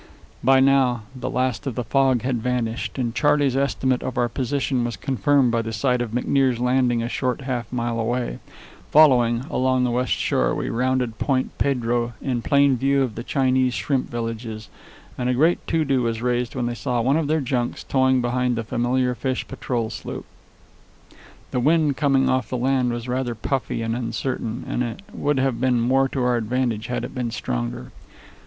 By now the last of the fog had vanished, and Charley's estimate of our position was confirmed by the sight of McNear's Landing a short half mile away, following: along the west shore, we rounded Point Pedro in plain view of the Chinese shrimp villages, and a great to do was raised when they saw one of their junks towing behind the familiar fish patrol sloop. The wind, coming off the land, was rather puffy and uncertain, and it would have been more to our advantage had it been stronger.